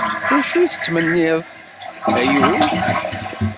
D acu i tettmenniḍ, ay ul?